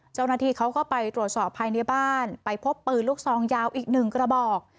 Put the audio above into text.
เจ้าหน้าที่เขาก็ไปตรวจสอบภายในบ้านไปพบปืนลูกซองยาวอีกหนึ่งกระบอก